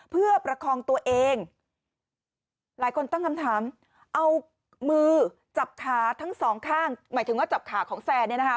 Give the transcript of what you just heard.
เผ่นทั้ง๒ข้างหมายถึงว่าจับขาของแซนนะฮะ